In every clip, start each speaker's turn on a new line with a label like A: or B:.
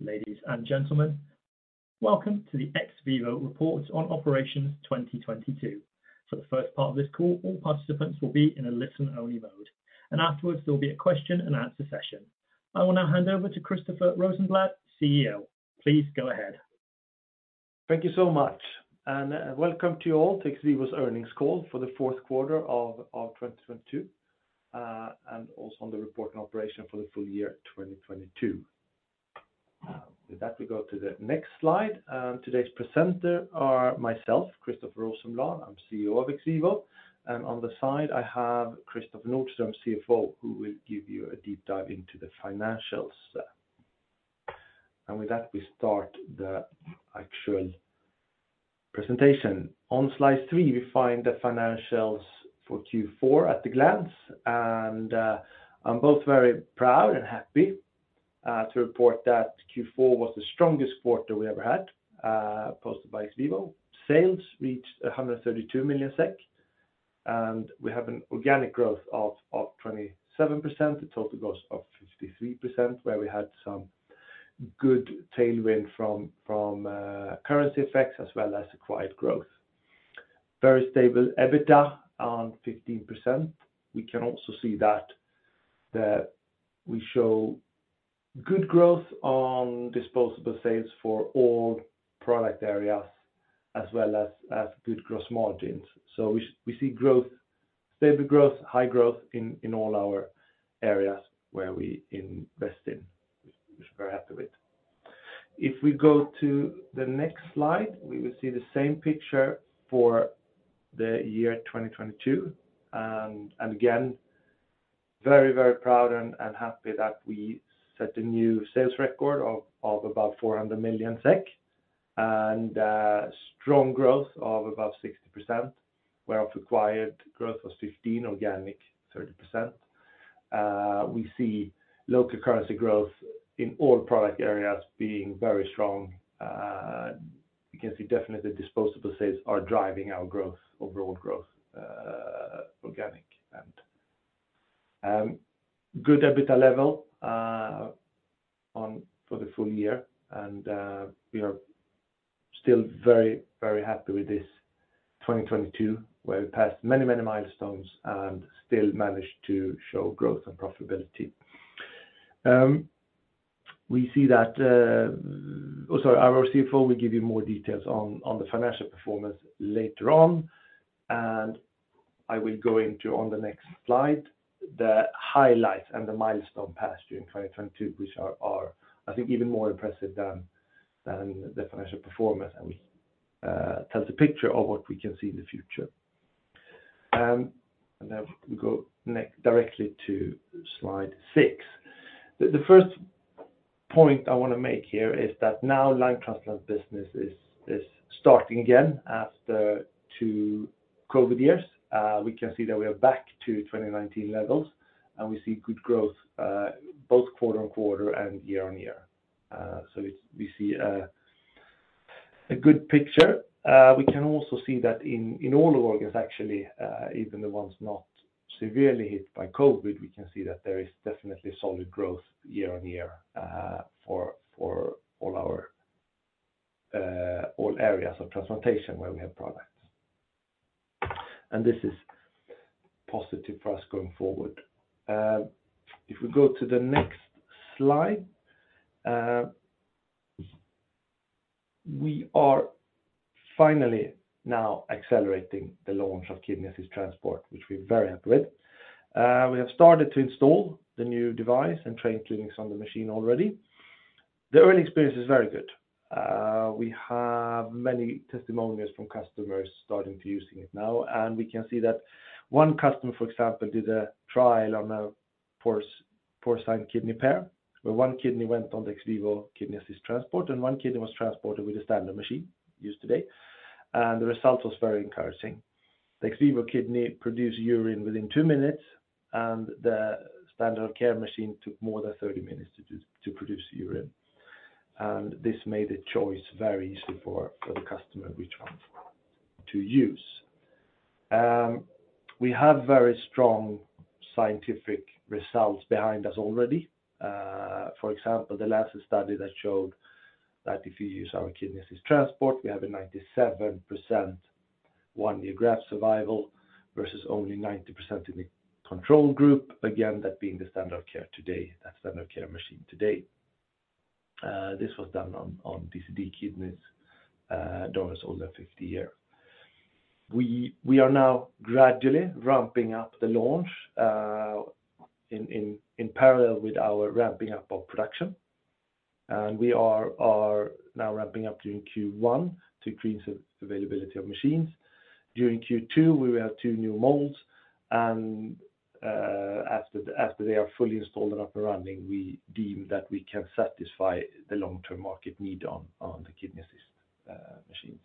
A: Ladies and gentlemen, welcome to the XVIVO report on operations 2022. For the first part of this call, all participants will be in a listen-only mode. Afterwards, there will be a question and answer session. I will now hand over to Christoffer Rosenblad, CEO. Please go ahead.
B: Thank you so much, welcome to you all to XVIVO's earnings call for the Q4 of 2022, and also on the report and operation for the full year 2022. With that, we go to the next slide. Today's presenter are myself, Christoffer Rosenblad. I'm CEO of XVIVO. On the side, I have Kristoffer Nordström, CFO, who will give you a deep dive into the financials. With that, we start the actual presentation. On slide three, we find the financials for Q4 at a glance, and I'm both very proud and happy to report that Q4 was the strongest quarter we ever had, posted by XVIVO. Sales reached 132 million SEK, and we have an organic growth of 27%. The total growth of 53%, where we had some good tailwind from currency effects as well as acquired growth. Very stable EBITDA on 15%. We can also see that we show good growth on disposable sales for all product areas as well as good growth margins. We see growth, stable growth, high growth in all our areas where we invest in, which we're very happy with. If we go to the next slide, we will see the same picture for the year 2022. Again, very proud and happy that we set a new sales record of about 400 million SEK and strong growth of about 60%, whereof acquired growth was 15%, organic 30%. We see local currency growth in all product areas being very strong. You can see definitely disposable sales are driving our growth, overall growth, organic. Good EBITDA level for the full year. We are still very happy with this 2022, where we passed many milestones and still managed to show growth and profitability. We see that. Oh, sorry. Our CFO will give you more details on the financial performance later on, and I will go into on the next slide the highlights and the milestone passed during 2022, which are, I think, even more impressive than the financial performance. We tells a picture of what we can see in the future. We go directly to slide six. The first point I wanna make here is that now life transplant business is starting again after Two COVID years. We can see that we are back to 2019 levels, and we see good growth, both quarter on quarter and year on year. We see a good picture. We can also see that in all organs actually, even the ones not severely hit by COVID, we can see that there is definitely solid growth year on year, for all our, all areas of transplantation where we have products. This is positive for us going forward. If we go to the next slide, we are finally now accelerating the launch of Kidney Assist Transport, which we're very happy with. We have started to install the new device and train clinics on the machine already. The early experience is very good. We have many testimonials from customers starting to using it now, and we can see that one customer, for example, did a trial on a porcine kidney pair, where one kidney went on the XVIVO Kidney Assist Transport and one kidney was transported with a standard machine used today. The result was very encouraging. The XVIVO kidney produced urine within two minutes. The standard of care machine took more than 30 minutes to produce urine. This made the choice very easy for the customer which one to use. We have very strong scientific results behind us already. For example, the last study that showed that if you use our Kidney Assist Transport, we have a 97% one-year graft survival versus only 90% in the control group. That being the standard of care today, that standard of care machine to date. This was done on DCD kidneys, donors older 50 years. We are now gradually ramping up the launch in parallel with our ramping up of production, and we are now ramping up during Q1 to increase availability of machines. During Q2, we will have two new molds and after they are fully installed and up and running, we deem that we can satisfy the long-term market need on the Kidney Assist machines.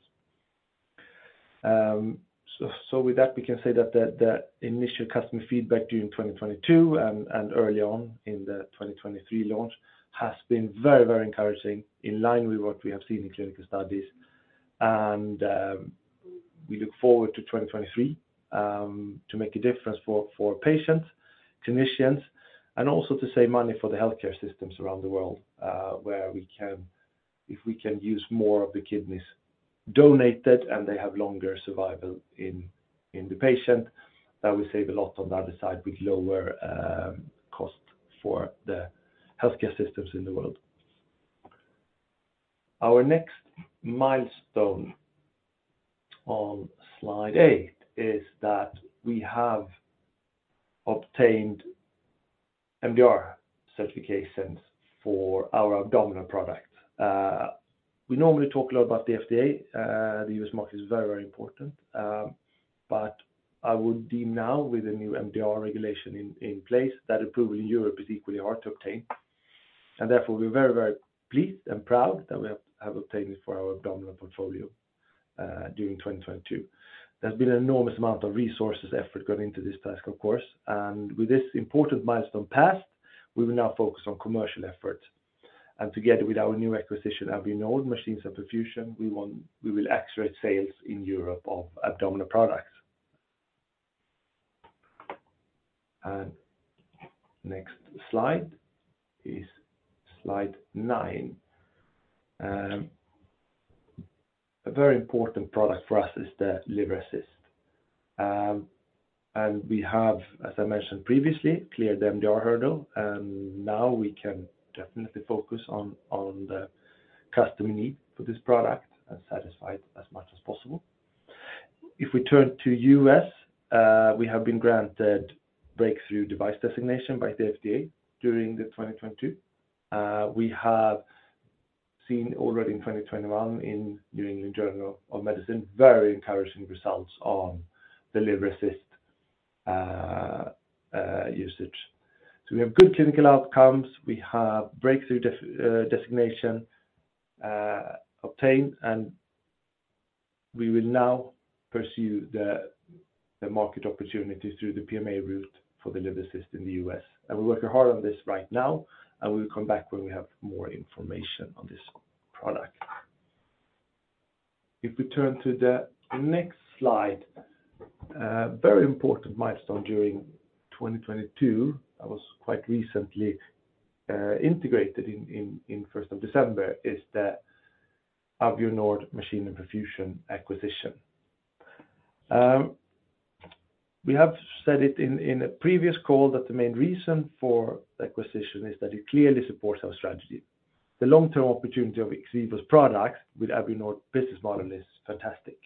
B: With that, we can say that the initial customer feedback during 2022 and early on in the 2023 launch has been very encouraging, in line with what we have seen in clinical studies. We look forward to 2023 to make a difference for patients, clinicians, and also to save money for the healthcare systems around the world, where we can... if we can use more of the kidneys donated, and they have longer survival in the patient, that will save a lot on the other side with lower cost for the healthcare systems in the world. Our next milestone on slide eight is that we have obtained MDR certifications for our abdominal products. We normally talk a lot about the FDA. The U.S. market is very, very important. But I would deem now with the new MDR regulation in place that approval in Europe is equally hard to obtain. Therefore, we're very, very pleased and proud that we have obtained it for our abdominal portfolio during 2022. There's been an enormous amount of resources effort going into this task, of course. With this important milestone passed, we will now focus on commercial efforts. Together with our new acquisition, Avionord Machine Perfusion, we will accelerate sales in Europe of abdominal products. Next slide is slide nine. A very important product for us is the Liver Assist. We have, as I mentioned previously, cleared the MDR hurdle, and now we can definitely focus on the customer need for this product and satisfy it as much as possible. If we turn to U.S., we have been granted Breakthrough Device designation by the FDA during 2022. We have seen already in 2021 in The New England Journal of Medicine, very encouraging results on the Liver Assist usage. We have good clinical outcomes. We have breakthrough designation obtained. We will now pursue the market opportunities through the PMA route for the Liver Assist in the U.S. We're working hard on this right now. We will come back when we have more information on this product. If we turn to the next slide, a very important milestone during 2022 that was quite recently integrated in 1st of December, is the Avionord Machine Perfusion acquisition. We have said it in a previous call that the main reason for the acquisition is that it clearly supports our strategy. The long-term opportunity of XVIVO's products with Avionord business model is fantastic.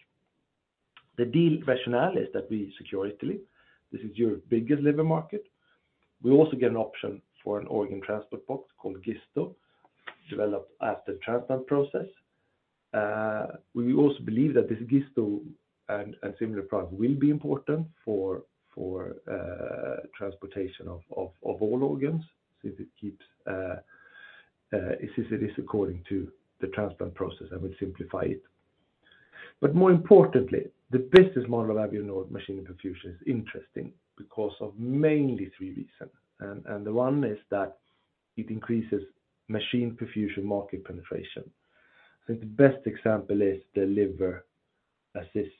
B: The deal rationale is that we secure Italy. This is Europe's biggest liver market. We also get an option for an organ transport box called Giotto, developed after transplant process. We also believe that this Giotto and similar products will be important for transportation of all organs. If it keeps, it is according to the transplant process, and we'll simplify it. More importantly, the business model of Avionord Machine Perfusion is interesting because of mainly three reasons. The one is that it increases machine perfusion market penetration. I think the best example is the Liver Assist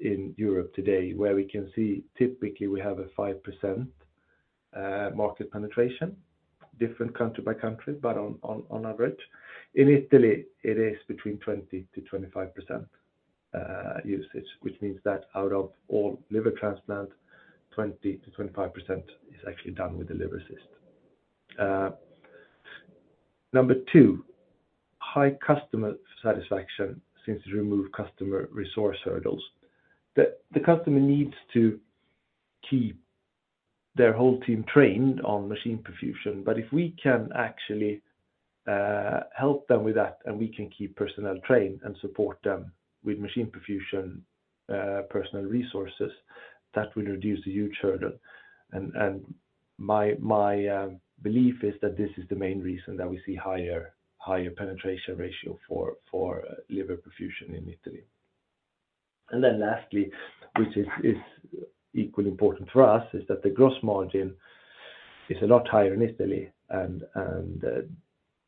B: in Europe today, where we can see typically we have a 5% market penetration, different country by country, but on average. In Italy, it is between 20%-25% usage, which means that out of all liver transplant, 20%-25% is actually done with the Liver Assist. Number two, high customer satisfaction seems to remove customer resource hurdles. The customer needs to keep their whole team trained on machine perfusion, but if we can actually help them with that, and we can keep personnel trained and support them with machine perfusion personnel resources, that will reduce a huge hurdle. My belief is that this is the main reason that we see higher penetration ratio for liver perfusion in Italy. Lastly, which is equally important for us, is that the gross margin is a lot higher in Italy and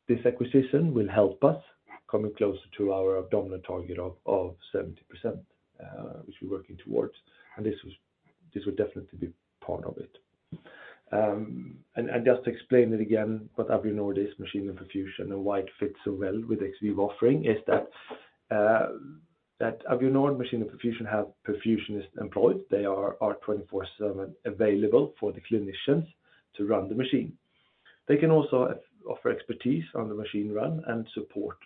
B: this acquisition will help us coming closer to our abdominal target of 70% which we're working towards. This will definitely be part of it. Just to explain it again, what Avionord is, machine and perfusion, and why it fits so well with XVIVO offering is that Avionord machine and perfusion have perfusionists employed. They are 24/7 available for the clinicians to run the machine. They can also offer expertise on the machine run and support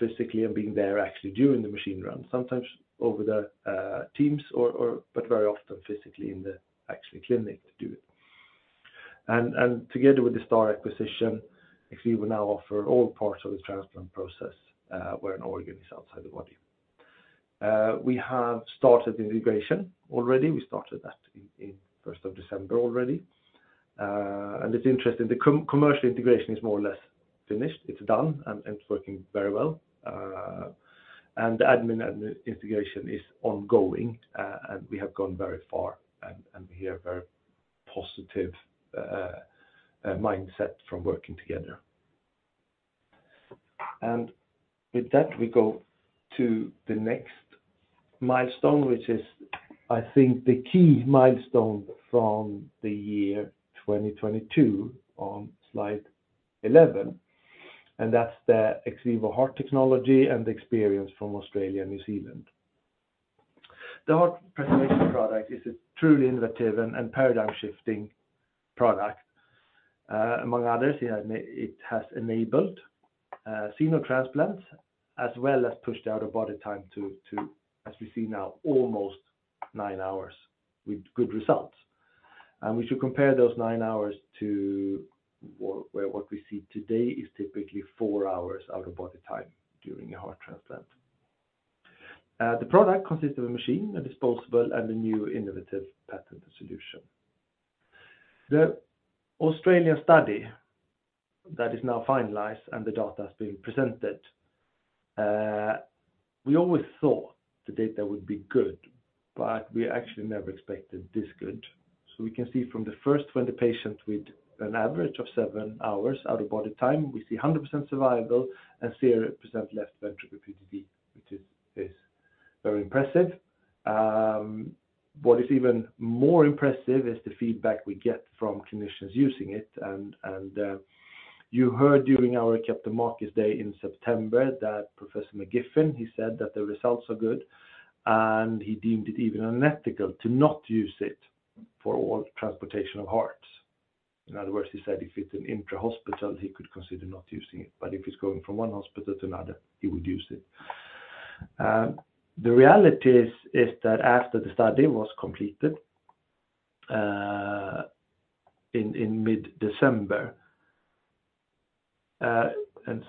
B: physically and being there actually during the machine run, sometimes over the teams or very often physically in the actual clinic to do it. Together with the STAR acquisition, XVIVO will now offer all parts of the transplant process where an organ is outside the body. We have started the integration already. We started that in 1st of December already. It's interesting, the commercial integration is more or less finished. It's done and it's working very well. The admin and the integration is ongoing, and we have gone very far and we have very positive mindset from working together. With that, we go to the next milestone, which is, I think, the key milestone from the year 2022 on slide 11, and that's the XVIVO heart technology and the experience from Australia, New Zealand. The heart preservation product is a truly innovative and paradigm-shifting product. Among others, it has enabled Xenotransplants as well as pushed out-of-body time, as you see now, almost nine hours with good results. We should compare those nine hours to what we see today is typically four hours out-of-body time during a heart transplant. The product consists of a machine, a disposable, and a new innovative patented solution. The Australian study that is now finalized and the data is being presented, we always thought the data would be good, but we actually never expected this good. We can see from the first 20 patients with an average of seven hours out-of-body time, we see 100% survival and 0% left ventricular PGD, which is very impressive. What is even more impressive is the feedback we get from clinicians using it. You heard during our Capital Markets Day in September that Professor McGiffin, he said that the results are good, and he deemed it even unethical to not use it for all transportation of hearts. In other words, he said if it's an intra-hospital, he could consider not using it, but if it's going from one hospital to another, he would use it. The reality is that after the study was completed, in mid-December,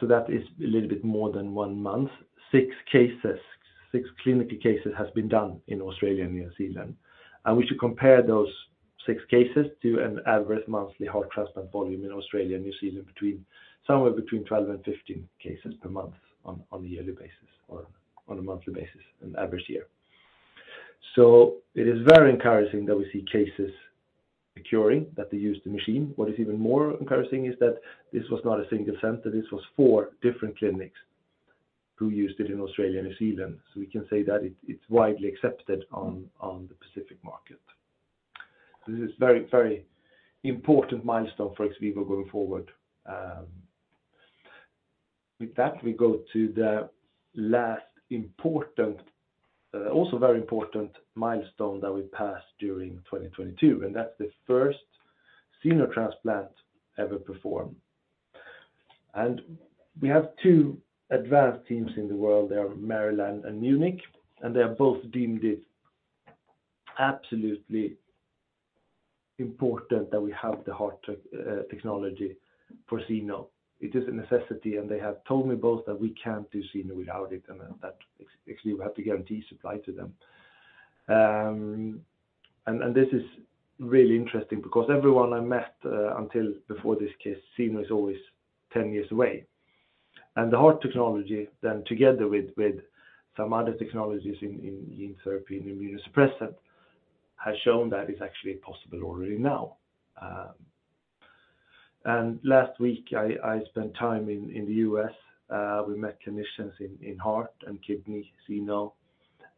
B: that is a little bit more than one month, six cases, six clinical cases has been done in Australia and New Zealand. We should compare those six cases to an average monthly heart transplant volume in Australia and New Zealand somewhere between 12 and 15 cases per month on a yearly basis or on a monthly basis in average year. It is very encouraging that we see cases securing that they use the machine. What is even more encouraging is that this was not a single center, this was four different clinics who used it in Australia and New Zealand. We can say that it's widely accepted on the Pacific market. This is very, very important milestone for XVIVO going forward. With that, we go to the last important, also very important milestone that we passed during 2022, and that's the first Xenotransplant ever performed. We have two advanced teams in the world. They are Maryland and Munich, and they are both deemed it absolutely important that we have the heart technology for Xeno. It is a necessity, and they have told me both that we can't do Xeno without it and that actually we have to guarantee supply to them. This is really interesting because everyone I met, until before this case, Xeno is always 10 years away. The heart technology then together with some other technologies in gene therapy and immunosuppressant has shown that it's actually possible already now. Last week, I spent time in the U.S. We met clinicians in heart and kidney Xeno.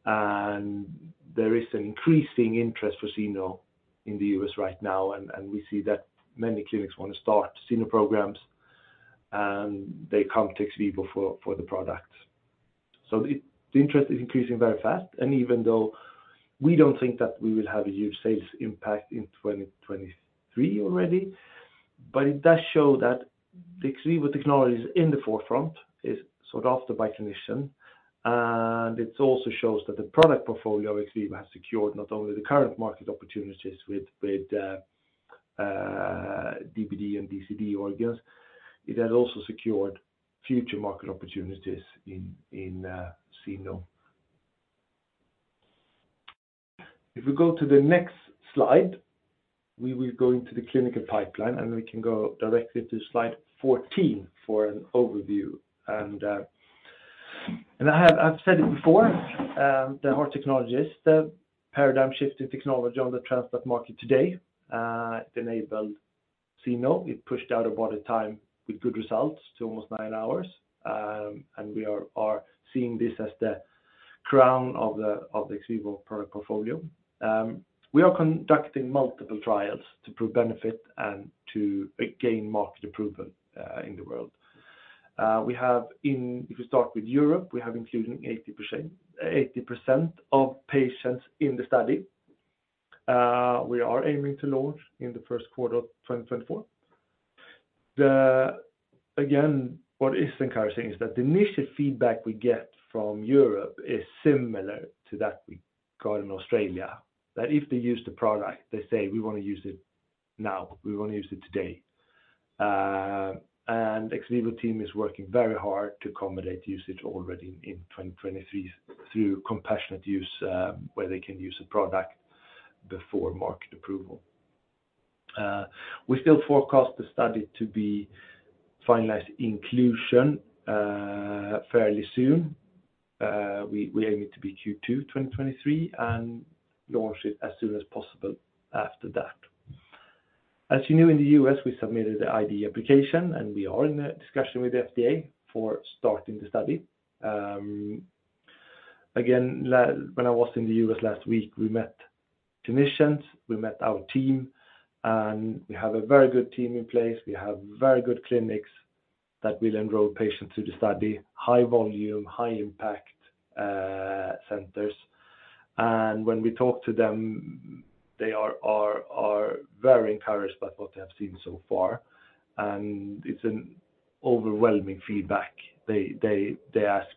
B: There is an increasing interest for Xeno in the U.S. right now. And we see that many clinics wanna start Xeno programs, and they come to XVIVO for the product. The interest is increasing very fast. Even though we don't think that we will have a huge sales impact in 2023 already, but it does show that the XVIVO technology is in the forefront, is sought after by clinicians, and it also shows that the product portfolio of XVIVO has secured not only the current market opportunities with DBD and DCD organs, it has also secured future market opportunities in Xeno. We go to the next slide, we will go into the clinical pipeline, and we can go directly to slide 14 for an overview. I've said it before, the heart technology is the paradigm shift in technology on the transplant market today. It enabled Xeno. It pushed out-of-body time with good results to almost nine hours. We are seeing this as the crown of the XVIVO product portfolio. We are conducting multiple trials to prove benefit and to gain market approval in the world. We have if you start with Europe, we have included 80% of patients in the study. We are aiming to launch in the Q1 of 2024. Again, what is encouraging is that the initial feedback we get from Europe is similar to that we got in Australia, that if they use the product, they say, "We wanna use it now. We wanna use it today. XVIVO team is working very hard to accommodate usage already in 2023 through compassionate use, where they can use a product before market approval. We still forecast the study to be finalized inclusion fairly soon. We aim it to be Q2 2023 and launch it as soon as possible after that. As you know, in the U.S., we submitted the IDE application, and we are in a discussion with the FDA for starting the study. Again, when I was in the U.S. last week, we met clinicians, we met our team, and we have a very good team in place. We have very good clinics that will enroll patients to the study, high volume, high impact, centers. When we talk to them, they are very encouraged by what they have seen so far, and it's an overwhelming feedback. They ask.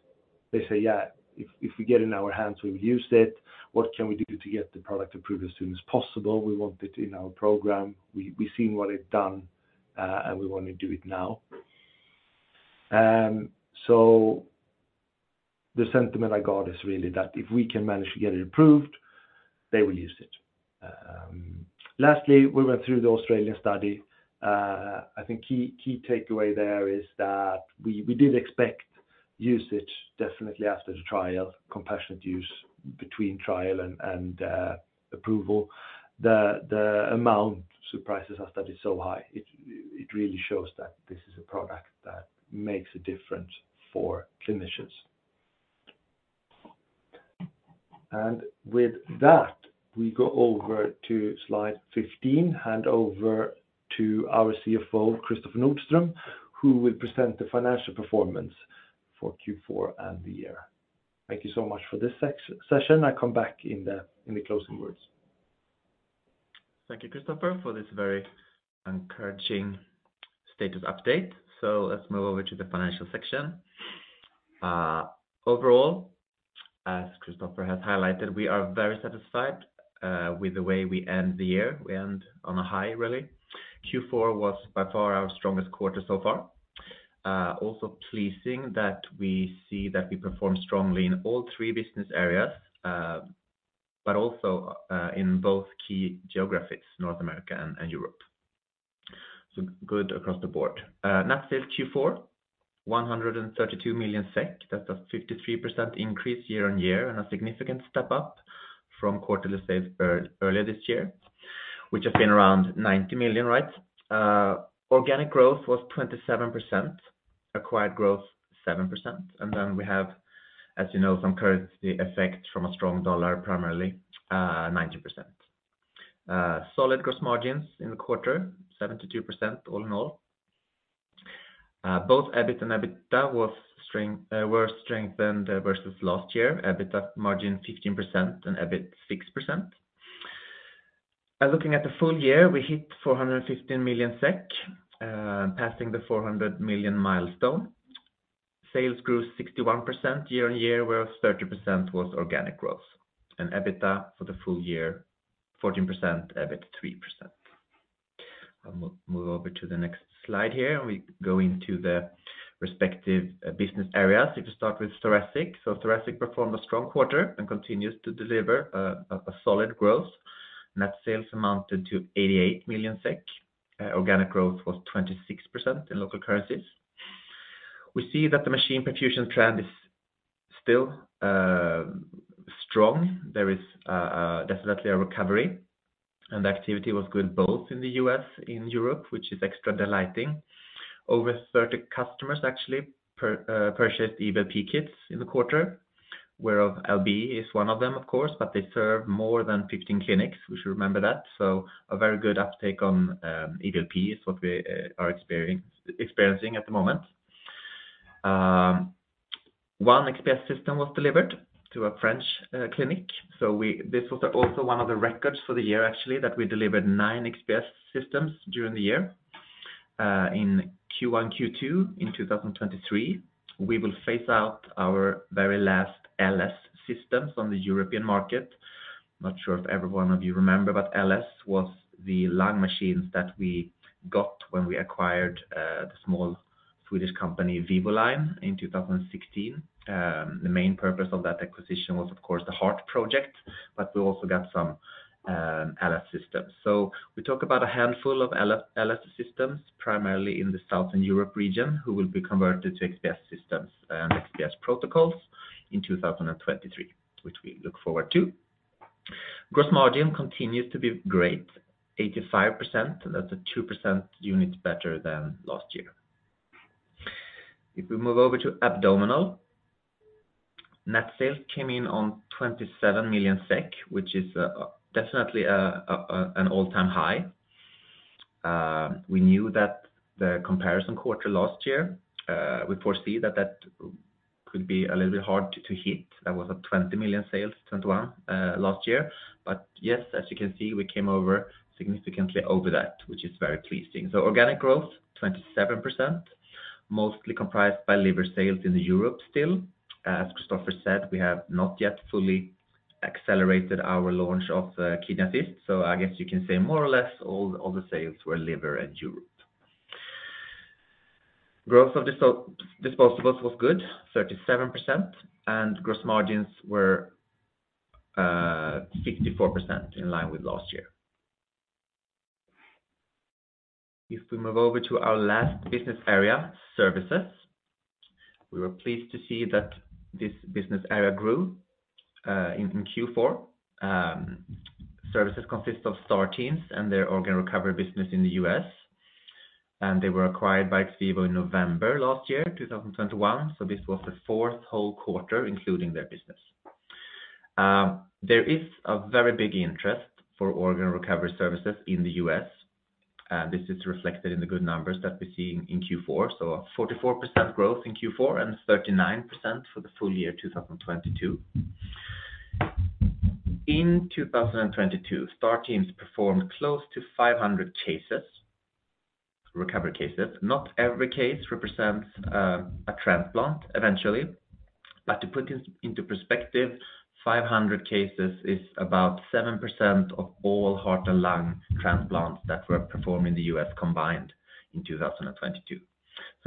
B: They say, "Yeah, if we get it in our hands, we'll use it. What can we do to get the product approved as soon as possible? We want it in our program. We've seen what it's done, and we wanna do it now." The sentiment I got is really that if we can manage to get it approved, they will use it. Lastly, we went through the Australian study. I think key takeaway there is that we did expect usage definitely after the trial, compassionate use between trial and approval. The amount surprises us that it's so high. It really shows that this is a product that makes a difference for clinicians. With that, we go over to slide 15, hand over to our CFO, Kristoffer Nordström, who will present the financial performance for Q4 and the year. Thank you so much for this session. I come back in the closing words.
C: Thank you, Kristoffer, for this very encouraging status update. Let's move over to the financial section. Overall, as Kristoffer has highlighted, we are very satisfied with the way we end the year. We end on a high, really. Q4 was by far our strongest quarter so far. Also pleasing that we see that we perform strongly in all three business areas, but also in both key Geographics, North America and Europe. Good across the board. Net sales Q4, 132 million SEK. That's a 53% increase year-on-year and a significant step up from quarterly sales earlier this year, which have been around 90 million, right? Organic growth was 27%, acquired growth 7%. Then we have, as you know, some currency effect from a strong dollar, primarily, 90%. Solid gross margins in the quarter, 72% all in all. Both EBIT and EBITDA were strengthened versus last year. EBITDA margin 15% and EBIT 6%. Looking at the full year, we hit 415 million SEK, passing the 400 million milestone. Sales grew 61% year-on-year, whereas 30% was organic growth. EBITDA for the full year, 14%, EBIT 3%. I'll move over to the next slide here, and we go into the respective business areas. If you start with thoracic. Thoracic performed a strong quarter and continues to deliver a solid growth. Net sales amounted to 88 million SEK. Organic growth was 26% in local currencies. We see that the machine perfusion trend is still strong. There is definitely a recovery, and activity was good both in the U.S., in Europe, which is extra delighting. Over 30 customers actually purchased EVLP kits in the quarter, whereof LB is 1 of them, of course, but they serve more than 15 clinics. We should remember that. A very good uptake on EVLP is what we are experiencing at the moment. 1 XPS system was delivered to a French clinic. This was also 1 of the records for the year, actually, that we delivered nine XPS systems during the year. In Q1, Q2 in 2023, we will phase out our very last LS systems on the European market. Not sure if every one of you remember, LS was the lung machines that we got when we acquired the small Swedish company Vivoline Medical AB in 2016. The main purpose of that acquisition was, of course, the heart project, but we also got some LS systems. We talk about a handful of LS systems, primarily in the Southern Europe region, who will be converted to XPS systems and XPS protocols in 2023, which we look forward to. Gross margin continues to be great, 85%. That's a 2% unit better than last year. If we move over to abdominal. Net sales came in on 27 million SEK, which is definitely an all-time high. We knew that the comparison quarter last year, we foresee that that could be a little bit hard to hit. That was 20 million sales, 2021 last year. Yes, as you can see, we came over, significantly over that, which is very pleasing. Organic growth, 27%, mostly comprised by liver sales in Europe still. As Christoffer said, we have not yet fully accelerated our launch of Kidney Assist. I guess you can say more or less all sales were liver and Europe. Growth of disposables was good, 37%, and gross margins were 64% in line with last year. We move over to our last business area, services. We were pleased to see that this business area grew in Q4. Services consist of STAR Teams and their organ recovery business in the U.S., and they were acquired by XVIVO in November last year, 2021. This was the fourth whole quarter, including their business. There is a very big interest for organ recovery services in the U.S., and this is reflected in the good numbers that we're seeing in Q4. 44% growth in Q4 and 39% for the full year, 2022. In 2022, STAR Teams performed close to 500 cases, recovery cases. Not every case represents a transplant eventually. To put this into perspective, 500 cases is about 7% of all heart and lung transplants that were performed in the U.S. combined in 2022.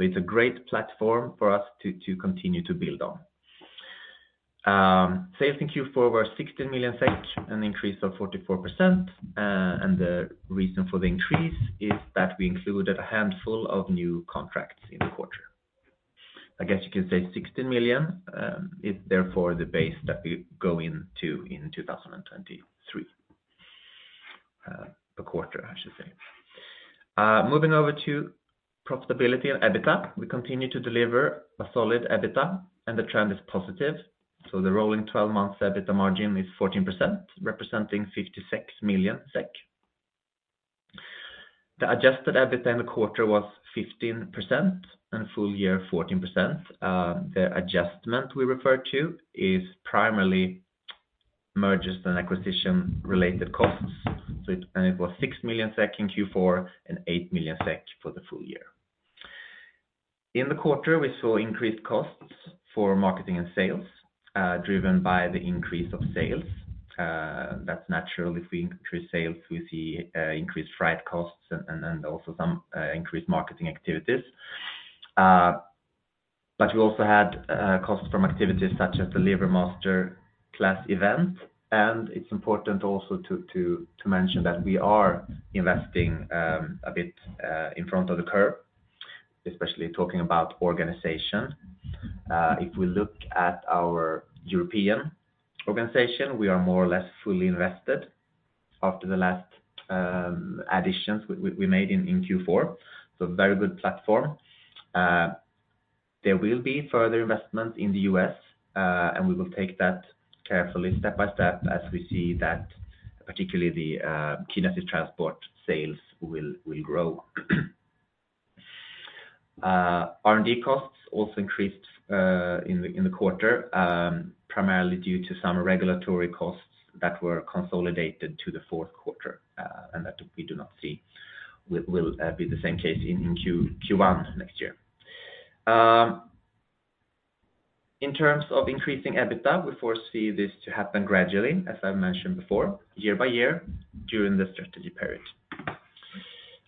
C: It's a great platform for us to continue to build on. Sales in Q4 were 16 million SEK, an increase of 44%. The reason for the increase is that we included a handful of new contracts in the quarter. I guess you can say 16 million is therefore the base that we go into in 2023. A quarter, I should say. Moving over to profitability and EBITDA. We continue to deliver a solid EBITDA, and the trend is positive. The rolling 12-month EBITDA margin is 14%, representing 56 million SEK. The adjusted EBITDA in the quarter was 15% and full year, 14%. The adjustment we refer to is primarily mergers and acquisition-related costs. It was 6 million SEK in Q4 and 8 million SEK for the full year. In the quarter, we saw increased costs for marketing and sales, driven by the increase of sales. That's natural. If we increase sales, we see increased freight costs and also some increased marketing activities. But we also had costs from activities such as the Liver Master Class event. It's important also to mention that we are investing a bit in front of the curve, especially talking about organization. If we look at our European organization, we are more or less fully invested after the last additions we made in Q4. Very good platform. There will be further investment in the U.S., and we will take that carefully step by step as we see that particularly the kidneys transport sales will grow. R&D costs also increased in the quarter, primarily due to some regulatory costs that were consolidated to the Q4, and that we do not see will be the same case in Q1 next year. In terms of increasing EBITDA, we foresee this to happen gradually, as I mentioned before, year by year during the strategy period.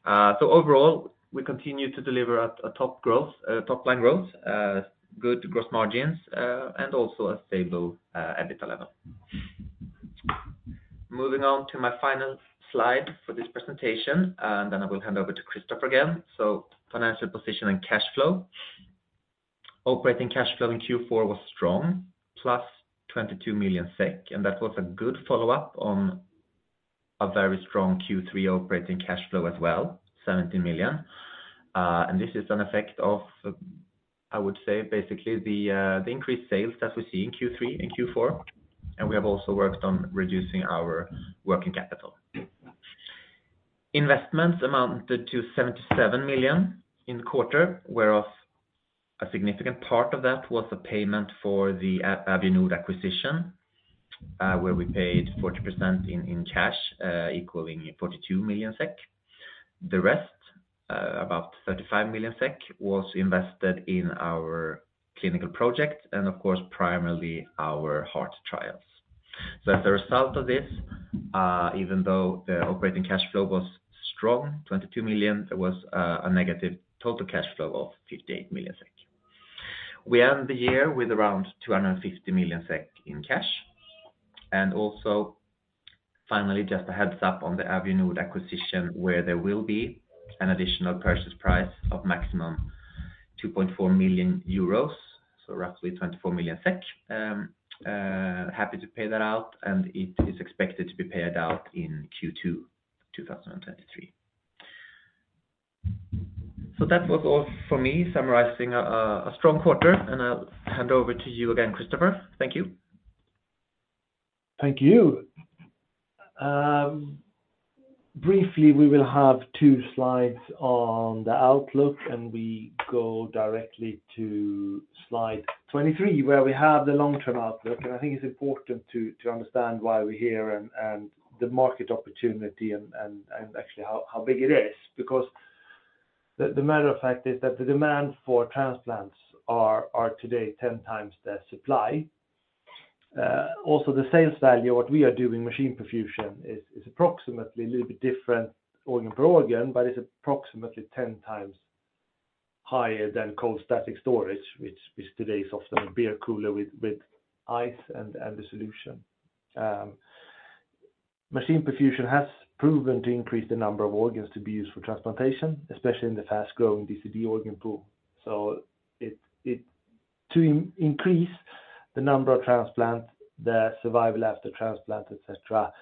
C: Overall, we continue to deliver a top-line growth, good gross margins, and also a stable EBITDA level. Moving on to my final slide for this presentation, then I will hand over to Christoffer again. Financial position and cash flow. Operating cash flow in Q4 was strong, +22 million SEK, and that was a good follow-up on a very strong Q3 operating cash flow as well, 17 million. This is an effect of, I would say, basically the increased sales that we see in Q3 and Q4. We have also worked on reducing our working capital. Investments amounted to 77 million in the quarter, where of a significant part of that was a payment for the Avionord acquisition, where we paid 40% in cash, equaling 42 million SEK. The rest, about 35 million SEK, was invested in our clinical projects and of course, primarily our heart trials. As a result of this, even though the operating cash flow was strong, 22 million SEK, there was a negative total cash flow of 58 million SEK. We end the year with around 250 million SEK in cash. Also finally, just a heads-up on the Avionord acquisition, where there will be an additional purchase price of maximum 2.4 million euros, so roughly 24 million SEK. Happy to pay that out, and it is expected to be paid out in Q2 2023. That was all for me summarizing a strong quarter, and I'll hand over to you again, Christoffer. Thank you.
B: Thank you. Briefly, we will have two slides on the outlook. We go directly to slide 23, where we have the long-term outlook. I think it's important to understand why we're here and the market opportunity and actually how big it is. Because the matter of fact is that the demand for transplants are today 10 times the supply. Also the sales value, what we are doing, machine perfusion, is approximately a little bit different organ for organ, but it's approximately 10 times higher than static cold storage, which today is often a beer cooler with ice and the solution. Machine perfusion has proven to increase the number of organs to be used for transplantation, especially in the fast-growing DCD organ pool. To increase the number of transplants, the survival after transplant, et cetera,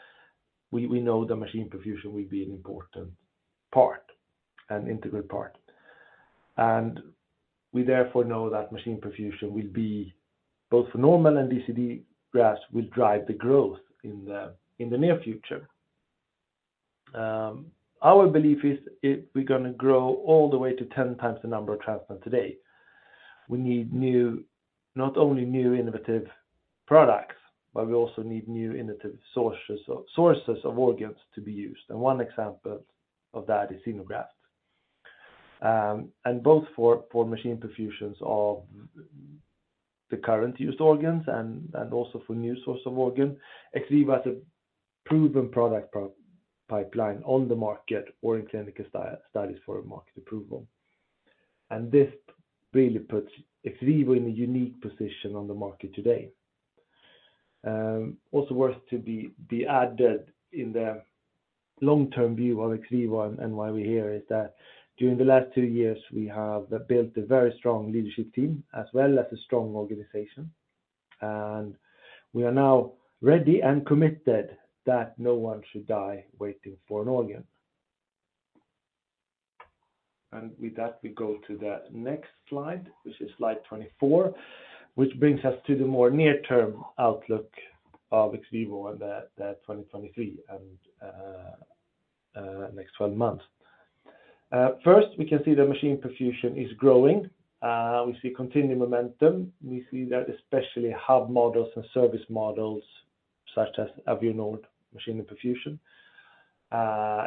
B: we know the machine perfusion will be an important part, an integral part. We therefore know that machine perfusion will be both normal and DCD grafts will drive the growth in the, in the near future. Our belief is if we're gonna grow all the way to 10 times the number of transplants today, we need not only new innovative products, but we also need new innovative sources of organs to be used. One example of that is Xenograft. And both for machine perfusions of the current used organs and also for new source of organ. XVIVO has a proven product pipeline on the market or in clinical studies for market approval. This really puts XVIVO in a unique position on the market today. Also worth to be added in the long-term view of XVIVO and why we're here is that during the last two years, we have built a very strong leadership team as well as a strong organization, and we are now ready and committed that no one should die waiting for an organ. With that, we go to the next slide, which is slide 24, which brings us to the more near-term outlook of XVIVO and the 2023 and next 12 months. First we can see the machine perfusion is growing. We see continued momentum. We see that especially hub models and service models such as Avionord Machine Perfusion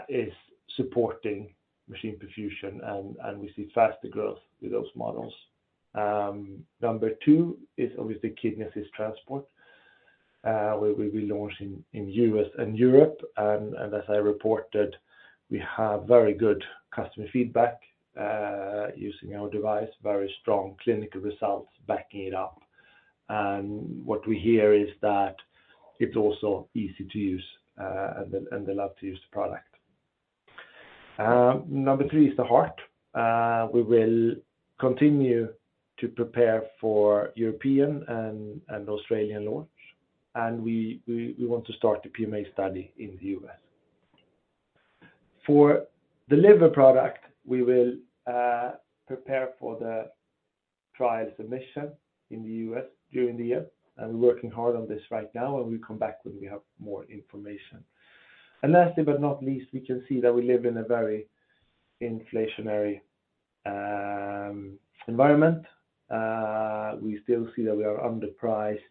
B: is supporting machine perfusion, and we see faster growth with those models. Number two is obviously Kidney Assist Transport. We launch in U.S. and Europe, as I reported, we have very good customer feedback using our device, very strong clinical results backing it up. What we hear is that it's also easy to use, and they love to use the product. Number three is the heart. We will continue to prepare for European and Australian launch, and we want to start the PMA study in the U.S. For the liver product, we will prepare for the trial submission in the U.S. during the year, and we're working hard on this right now, and we'll come back when we have more information. Lastly, but not least, we can see that we live in a very inflationary environment. We still see that we are underpriced,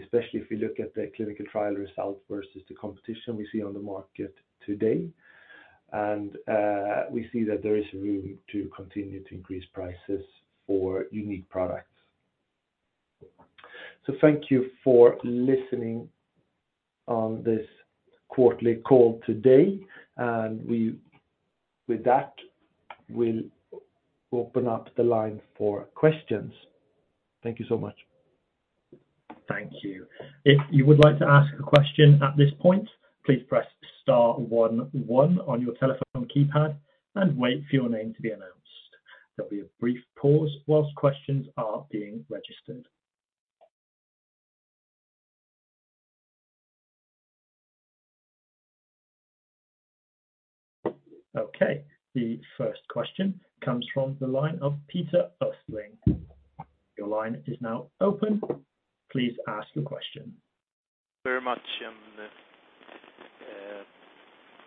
B: especially if you look at the clinical trial results versus the competition we see on the market today. We see that there is room to continue to increase prices for unique products. Thank you for listening on this quarterly call today, with that, we'll open up the line for questions. Thank you so much.
A: Thank you. If you would like to ask a question at this point, please press star one one on your telephone keypad and wait for your name to be announced. There'll be a brief pause while questions are being registered. Okay, the first question comes from the line of Peter Östling. Your line is now open. Please ask the question.
D: Very much,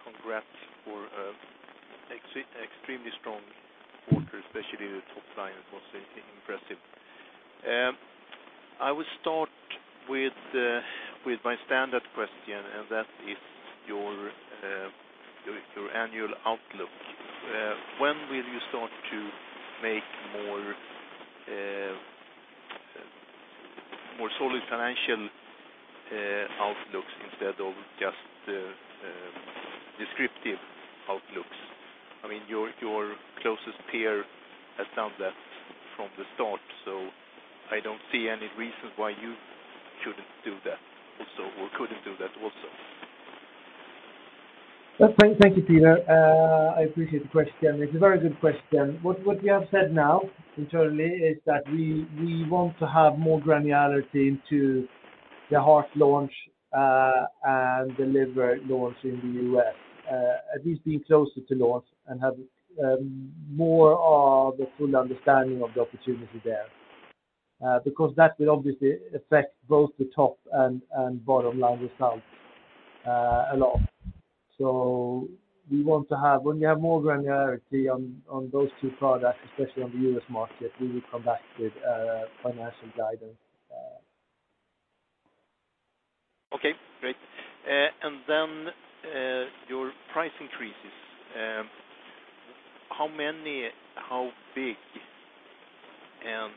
D: congrats for extremely strong quarter, especially the top line. It was impressive. I will start with my standard question, and that is your annual outlook. When will you start to make more solid financial outlooks instead of just descriptive outlooks? Your closest peer has done that from the start, so I don't see any reason why you shouldn't do that also or couldn't do that also.
B: Thank you, Peter. I appreciate the question. It's a very good question. What we have said now internally is that we want to have more granularity into the heart launch and the liver launch in the U.S., at least being closer to launch and have more of a full understanding of the opportunity there, because that will obviously affect both the top and bottom line results a lot. We want to have when we have more granularity on those two products, especially on the U.S. market, we will come back with financial guidance.
D: Okay, great. Your price increases, how many, how big, and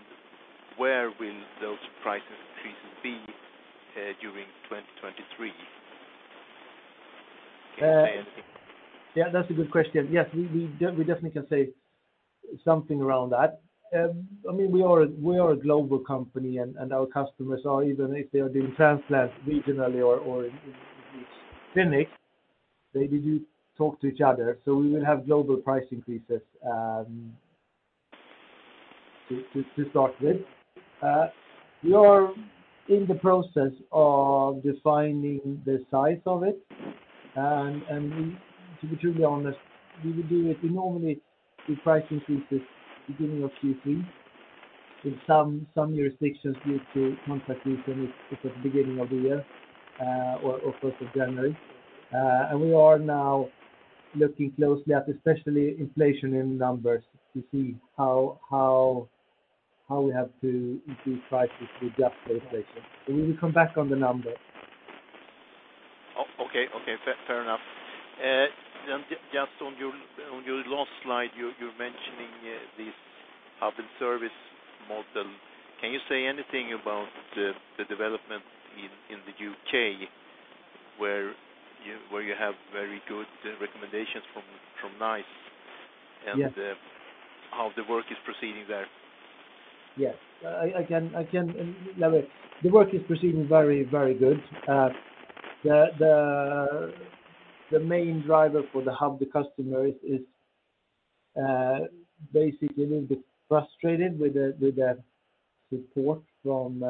D: where will those price increases be during 2023? Can you say anything?
B: Yeah, that's a good question. Yes, we definitely can say Something around that. I mean, we are a global company and our customers are even if they are doing transplants regionally or in clinic, they do talk to each other. We will have global price increases to start with. We are in the process of defining the size of it and to be truly honest, we will do it normally, we price increase this beginning of Q3. In some jurisdictions due to contract reason, it's at the beginning of the year or first of January. We are now looking closely at especially inflation in numbers to see how we have to price it to adjust for inflation. We will come back on the number.
D: Okay. Okay. Fair, fair enough. Just on your last slide, you're mentioning this hub and service model. Can you say anything about the development in the U.K. where you have very good recommendations from NICE?
B: Yes.
D: How the work is proceeding there?
B: Yes. I can.
D: Yeah.
B: The work is proceeding very, very good. The main driver for the hub, the customer is basically a little bit frustrated with the support from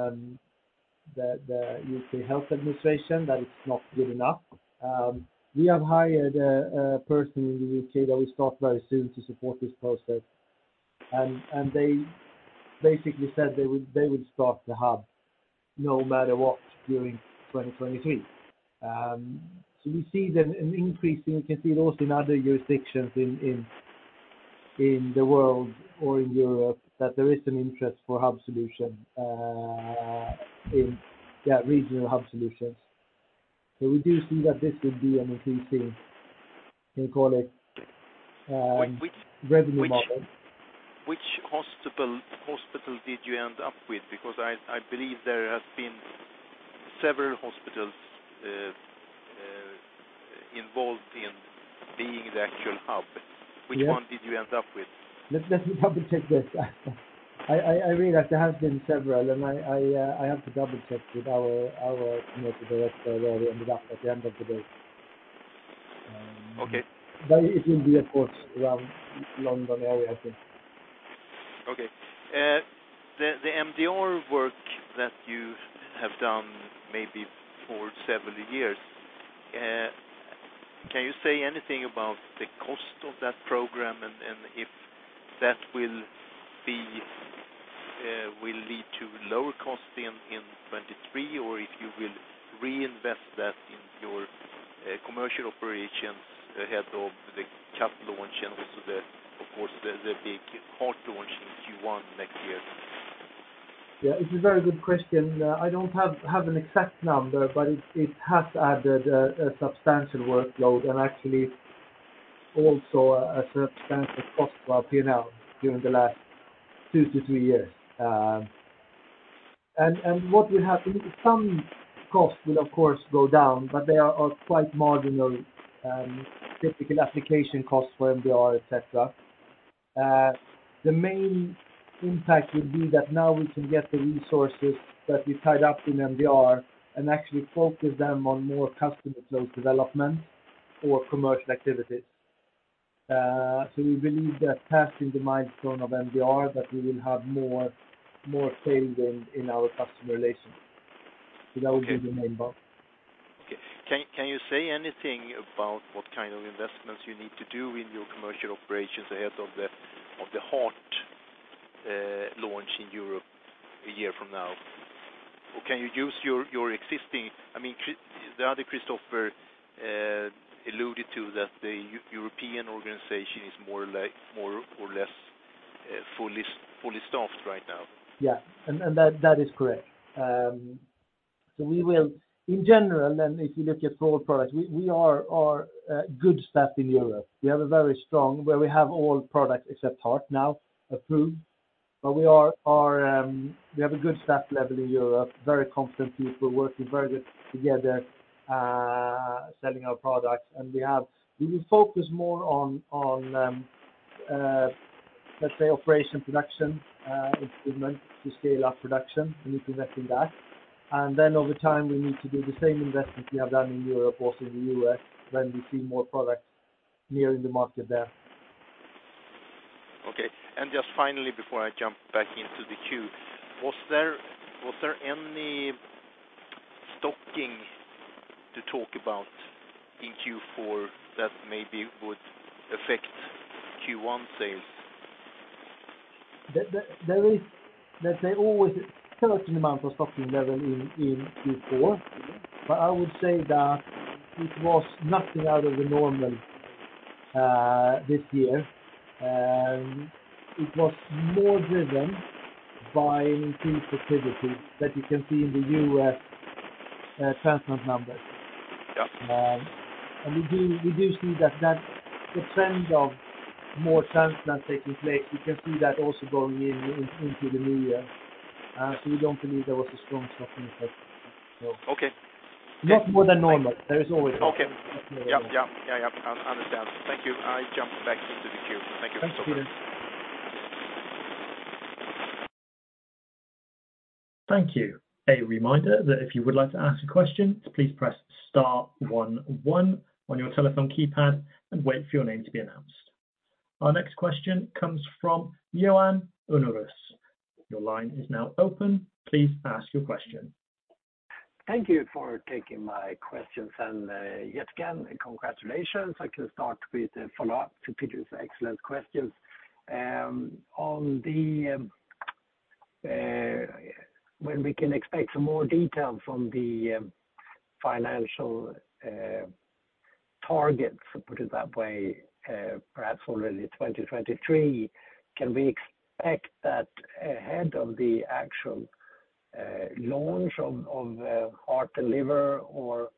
B: the U.K. Health Administration that it's not good enough. We have hired a person in the U.K. that will start very soon to support this process. They basically said they would start the hub no matter what during 2023. We see an increase and you can see it also in other jurisdictions in the world or in Europe that there is an interest for hub solution, regional hub solutions. We do see that this could be an increasing, you can call it.
D: Which.
B: revenue model.
D: Which hospital did you end up with? I believe there has been several hospitals involved in being the actual hub.
B: Yeah.
D: Which one did you end up with?
B: Let me double-check this. I realize there has been several and I have to double-check with our commercial director where we ended up at the end of the day.
D: Okay.
B: It will be of course around London area, I think.
D: Okay. The MDR work that you have done maybe for several years, can you say anything about the cost of that program and if that will be, will lead to lower cost in 2023 or if you will reinvest that in your commercial operations ahead of the CAP launch and also the big heart launch in Q1 next year?
B: Yeah, it's a very good question. I don't have an exact number, but it has added a substantial workload and actually also a substantial cost to our P&L during the last 2-3 years. What will happen is some costs will of course go down, but they are quite marginal, typical application costs for MDR, et cetera. The main impact would be that now we can get the resources that we tied up in MDR and actually focus them on more customer flow development or commercial activities. We believe that passing the milestone of MDR that we will have more sales in our customer relations.
D: Okay.
B: That would be the main part.
D: Okay. Can you say anything about what kind of investments you need to do in your commercial operations ahead of the heart launch in Europe a year from now? Can you use your existing... I mean, the other Christoffer alluded to that the European organization is more like, more or less, fully staffed right now.
B: That is correct. We will in general, and if you look at all products, we are good staffed in Europe. We have a very strong where we have all products except heart now approved, but we have a good staff level in Europe, very competent people working very good together, selling our products. We will focus more on, let's say, operation production equipment to scale up production and investing in that. Then over time, we need to do the same investments we have done in Europe, also in the U.S. when we see more products nearing the market there.
D: Okay. Just finally before I jump back into the queue, was there any stocking to talk about in Q4 that maybe would affect Q1 sales?
B: The there is, let's say always certain amount of stocking level in Q4.
D: Mm-hmm.
B: I would say that it was nothing out of the normal this year. It was more driven by increased activity that you can see in the U.S. transplant numbers.
D: Yeah.
B: We do see that the trend of more transplants taking place, we can see that also going into the new year. We don't believe there was a strong stocking effect.
D: Okay.
B: Not more than normal. There is always-
D: Okay. Yep. I understand. Thank you. I jump back into the queue. Thank you.
B: Thanks, Peter.
A: Thank you. A reminder that if you would like to ask a question, please press star one one on your telephone keypad and wait for your name to be announced. Our next question comes from Johan Unnérus. Your line is now open. Please ask your question.
E: Thank you for taking my questions. Yet again, congratulations. I can start with a follow-up to Peter's excellent questions. on the, when we can expect some more detail from the financial, targets, put it that way, perhaps already 2023. Can we expect that ahead of the actual, launch of heart delivery or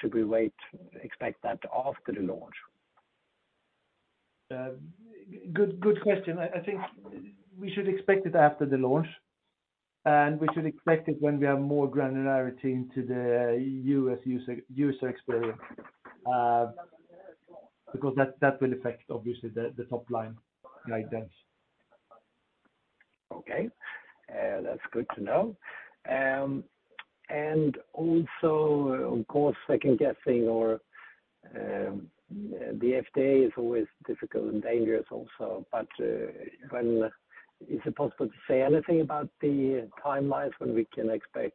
E: should we wait, expect that after the launch?
B: Good question. I think we should expect it after the launch, and we should expect it when we have more granularity into the U.S. user experience, because that will affect, obviously, the top line guidance.
E: Okay, that's good to know. Also, of course, second guessing or the FDA is always difficult and dangerous also. When is it possible to say anything about the timelines when we can expect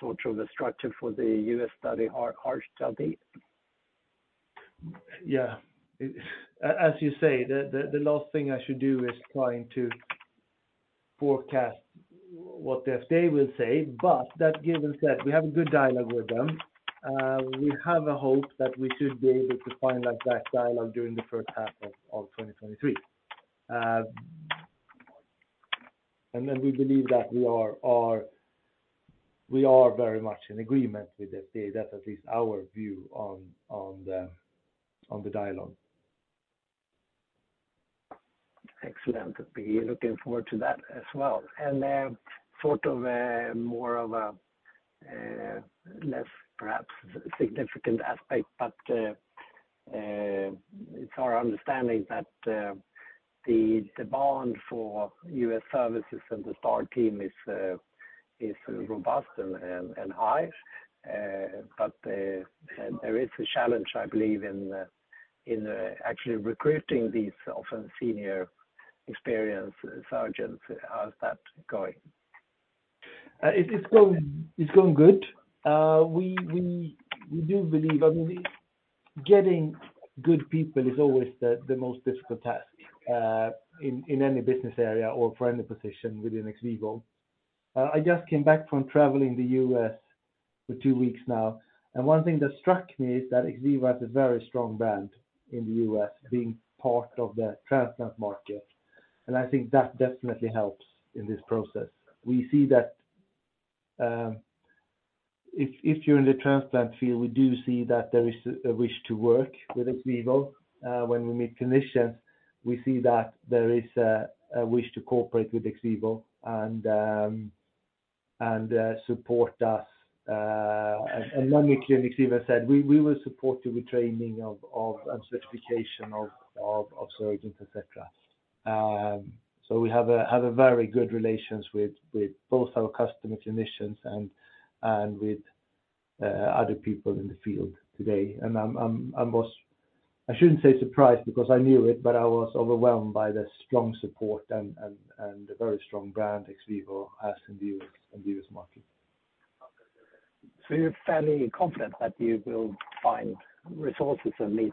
E: sort of the structure for the U.S. study heart study?
B: Yeah. As you say, the last thing I should do is trying to forecast what the FDA will say. That given said, we have a good dialogue with them. We have a hope that we should be able to finalize that dialogue during the first half of 2023. Then we believe that we are very much in agreement with the FDA. That's at least our view on the, on the dialogue.
E: Excellent. Be looking forward to that as well. Sort of more of a less perhaps significant aspect, but it's our understanding that the bond for U.S. services and the STAR team is robust and high. There is a challenge, I believe, in actually recruiting these often senior experienced surgeons. How's that going?
B: It's going good. We do believe, I mean, getting good people is always the most difficult task in any business area or for any position within XVIVO. I just came back from traveling the U.S. for two weeks now. One thing that struck me is that XVIVO has a very strong brand in the U.S. being part of the transplant market, and I think that definitely helps in this process. We see that if you're in the transplant field, we do see that there is a wish to work with XVIVO. When we meet clinicians, we see that there is a wish to cooperate with XVIVO and support us. Logically, XVIVO said we will support you with training of, and certification of surgeons, et cetera. We have a very good relations with both our customer clinicians and with other people in the field today. I'm most, I shouldn't say surprised because I knew it, but I was overwhelmed by the strong support and the very strong brand XVIVO has in the U.S. market.
E: You're fairly confident that you will find resources that meet,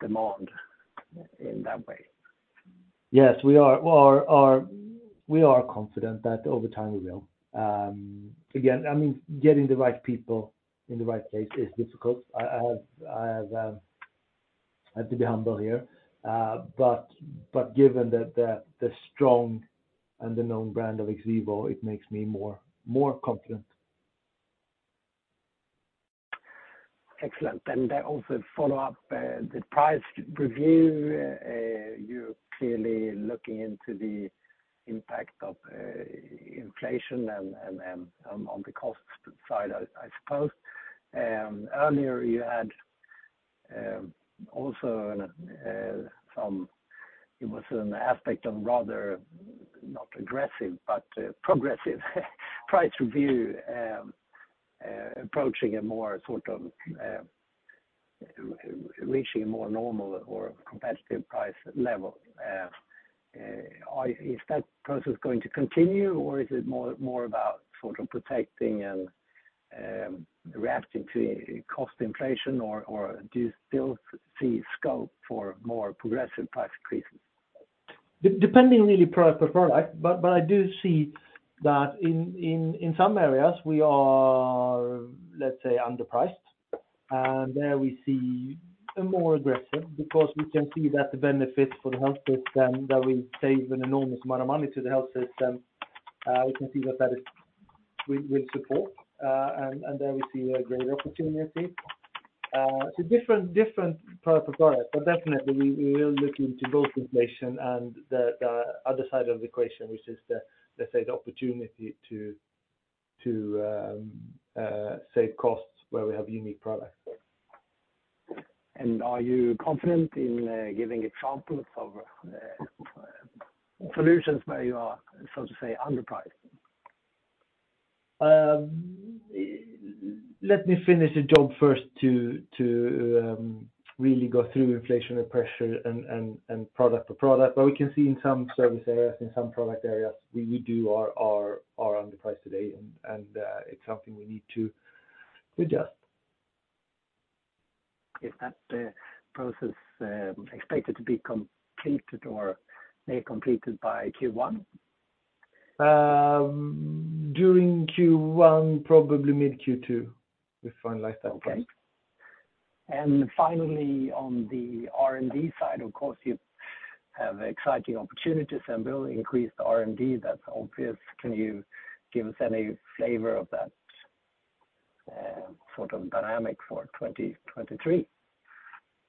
E: demand in that way.
B: Yes, we are. We are confident that over time we will. Again, I mean, getting the right people in the right place is difficult. I have to be humble here. Given the, the strong and the known brand of XVIVO, it makes me more confident.
E: Excellent. Also follow up, the price review. You're clearly looking into the impact of inflation and, on the cost side, I suppose. Earlier you had, also an, it was an aspect of rather not aggressive, but progressive price review, approaching a more sort of, reaching a more normal or competitive price level. Is that process going to continue or is it more about sort of protecting and, reacting to cost inflation or do you still see scope for more progressive price increases?
B: Depending really product to product. I do see that in some areas we are, let's say, underpriced, and there we see a more aggressive because we can see that the benefits for the health system that will save an enormous amount of money to the health system, we can see that we support, and there we see a great opportunity. It's a different product. Definitely we will look into both inflation and the other side of the equation, which is the, let's say, the opportunity to save costs where we have unique products.
E: Are you confident in giving examples of solutions where you are, so to say, underpriced?
B: Let me finish the job first really go through inflationary pressure and product to product. We can see in some service areas, in some product areas, we are underpriced today. It's something we need to adjust.
E: Is that process, expected to be completed or completed by Q1?
B: During Q1, probably mid Q2, we finalize that product.
E: Okay. Finally, on the R&D side, of course, you have exciting opportunities and will increase the R&D. That's obvious. Can you give us any flavor of that, sort of dynamic for 2023?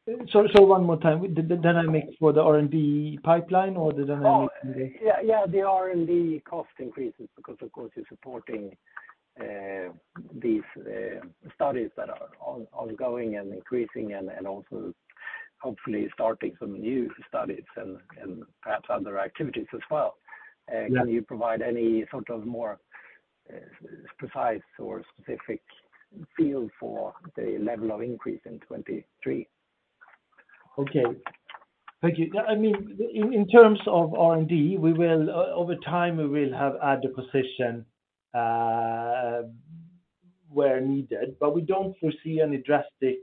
B: One more time. The dynamic for the R&D pipeline or the dynamic.
E: Oh, yeah, the R&D cost increases because, of course, you're supporting these studies that are ongoing and increasing and also hopefully starting some new studies and perhaps other activities as well.
B: Yeah.
E: Can you provide any sort of more precise or specific feel for the level of increase in 23?
B: Okay. Thank you. I mean, in terms of R&D, we will over time, we will have add a position where needed, but we don't foresee any drastic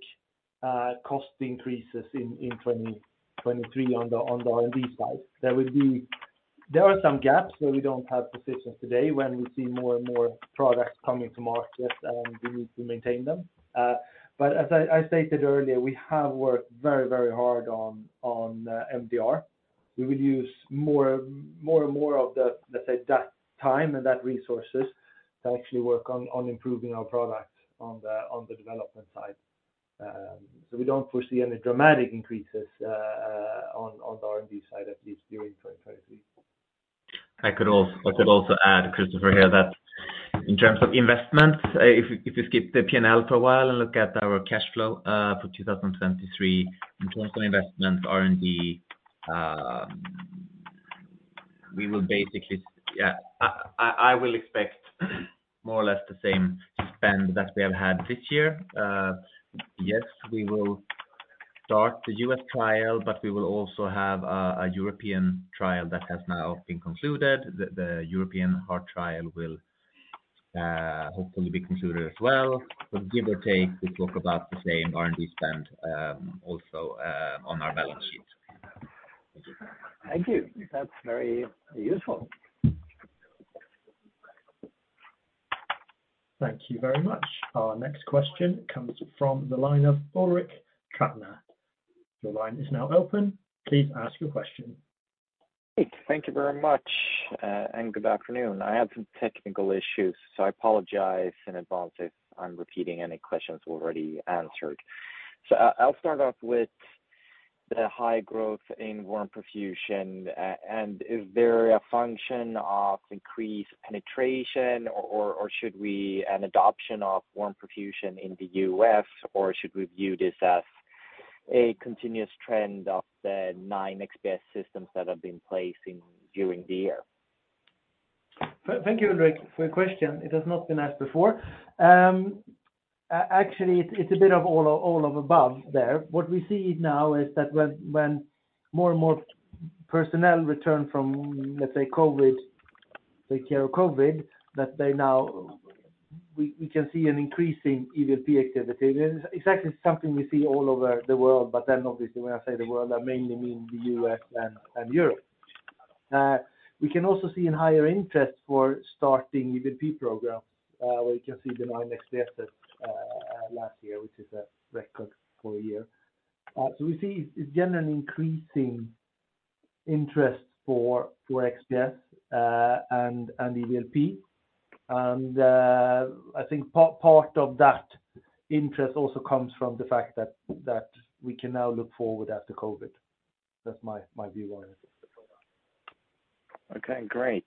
B: cost increases in 2023 on the R&D side. There are some gaps where we don't have positions today when we see more and more products coming to market, and we need to maintain them. As I stated earlier, we have worked very hard on MDR. We will use more and more of the, let's say, that time and that resources to actually work on improving our products on the development side. We don't foresee any dramatic increases on the R&D side, at least during 2023.
C: I could also add, Christoffer, here that in terms of investment, if you skip the P&L for a while and look at our cash flow, for 2023, in terms of investment R&D, we will basically. Yeah, I will expect more or less the same spend that we have had this year. Yes, we will start the U.S. trial, but we will also have a European trial that has now been concluded. The European heart trial will hopefully be concluded as well. Give or take, we talk about the same R&D spend, also on our balance sheet.
E: Thank you. That's very useful.
A: Thank you very much. Our next question comes from the line of Ulrik Trattner. Your line is now open. Please ask your question.
F: Thank you very much, good afternoon. I had some technical issues, I apologize in advance if I'm repeating any questions already answered. I'll start off with the high growth in warm perfusion. Is there a function of increased penetration or an adoption of warm perfusion in the U.S., or should we view this as a continuous trend of the nine XPS systems that have been placed in during the year?
B: Thank you, Ulrik, for your question. It has not been asked before. Actually, it's a bit of all of above there. What we see now is that when more and more personnel return from, let's say, COVID, take care of COVID, that we can see an increase in EVLP activity. It's actually something we see all over the world. Obviously, when I say the world, I mainly mean the U.S. and Europe. We can also see a higher interest for starting EVLP program, where you can see the 9 XPS last year, which is a record for a year. We see it's generally an increasing interest for XPS and EVLP. I think part of that interest also comes from the fact that we can now look forward after COVID. That's my view on it for that.
F: Okay, great.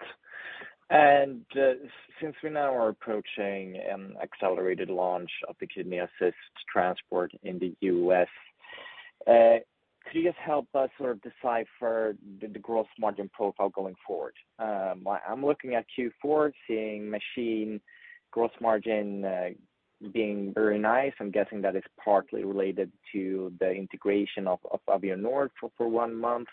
F: Since we now are approaching an accelerated launch of the Kidney Assist Transport in the U.S., could you just help us decipher the gross margin profile going forward? I'm looking at Q4, seeing machine gross margin being very nice. I'm guessing that is partly related to the integration of Avionord for one month.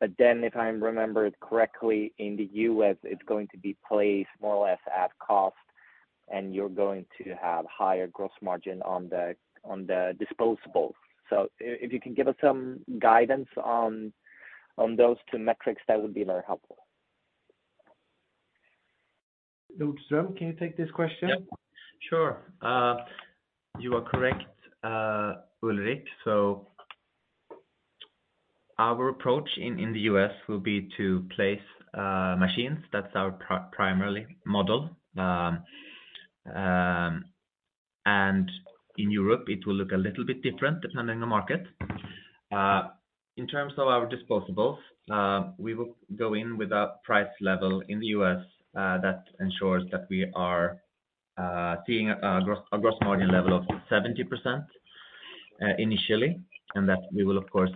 F: If I remember it correctly, in the U.S., it's going to be placed more or less at cost, and you're going to have higher gross margin on the disposables. If you can give us some guidance on those two metrics, that would be very helpful.
B: Nordström, can you take this question?
C: Yep. Sure. You are correct, Ulrik. Our approach in the U.S. will be to place machines. That's our primarily model. In Europe it will look a little bit different depending on market. In terms of our disposables, we will go in with a price level in the U.S., that ensures that we are seeing a gross margin level of 70% initially, and that we will, of course,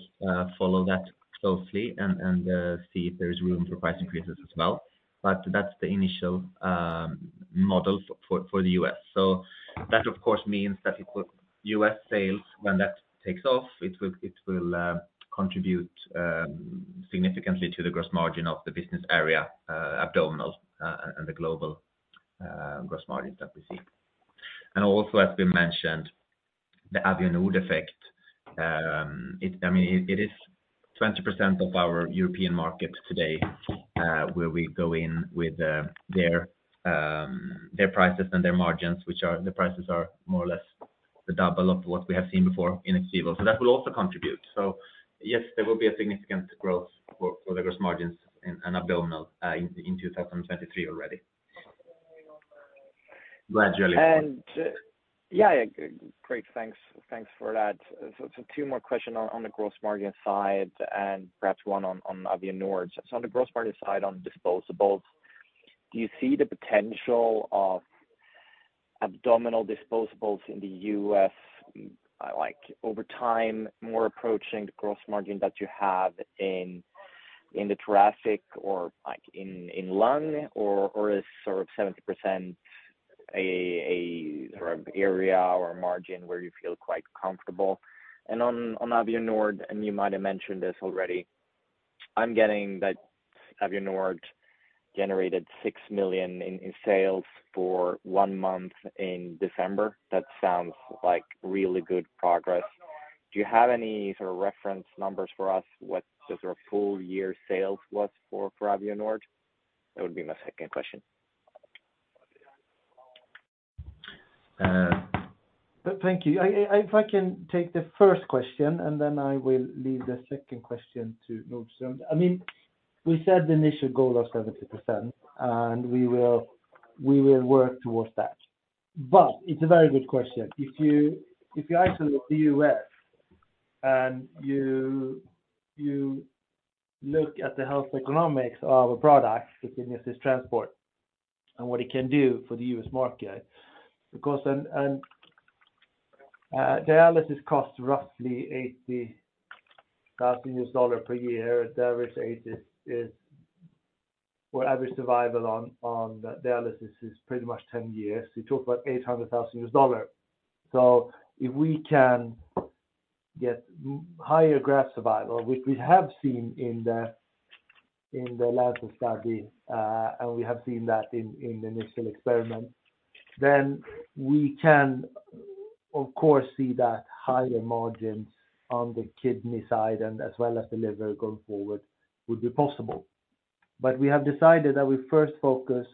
C: follow that closely and see if there is room for price increases as well. That's the initial model for the U.S.. That of course means that if U.S. Sales, when that takes off, it will contribute significantly to the gross margin of the business area, abdominal, and the global gross margin that we see. Also, as we mentioned, the Avionord effect. I mean, it is 20% of our European market today, where we go in with their prices and their margins, the prices are more or less the double of what we have seen before in XVIVO. That will also contribute. Yes, there will be a significant growth for the gross margins in abdominal in 2023 already. Go ahead, Julian.
F: Yeah, great. Thanks. Thanks for that. Two more questions on the gross margin side and perhaps one on Avionord. On the gross margin side, on disposables, do you see the potential of abdominal disposables in the U.S., like over time, more approaching the gross margin that you have in the thoracic or like in lung or is sort of 70% a sort of area or margin where you feel quite comfortable? On, on Avionord, and you might have mentioned this already, I'm getting that Avionord generated 6 million in sales for one month in December. That sounds like really good progress. Do you have any sort of reference numbers for us what the sort of full year sales was for Avionord? That would be my second question.
C: Um.
B: Thank you. If I can take the first question, then I will leave the second question to Nordström. I mean, we said the initial goal of 70%, we will work towards that. It's a very good question. If you actually look at the U.S., you look at the health economics of our products within this transport and what it can do for the U.S. market, of course, dialysis costs roughly $80,000 per year. The average age or average survival on dialysis is pretty much 10 years. We talk about $800,000. If we can get higher graft survival, which we have seen in The Lancet study, and we have seen that in the initial experiment, then we can of course, see that higher margins on the kidney side and as well as the liver going forward would be possible. We have decided that we first focus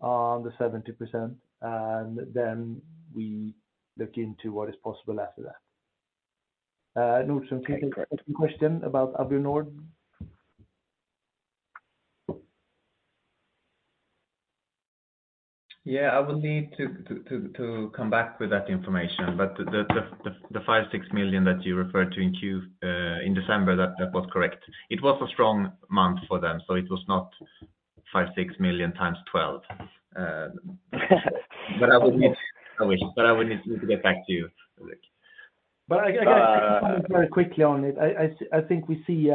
B: on the 70% and then we look into what is possible after that. Nordström, can you take the question about Avionord?
C: Yeah, I will need to come back with that information. The 5, 6 million that you referred to in December, that was correct. It was a strong month for them, so it was not 5, 6 million times 12. I wish. I would need to get back to you, Ulrik.
B: I can comment very quickly on it. I think we see